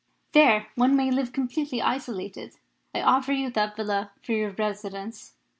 There one may live completely isolated. I offer you that villa for your residence.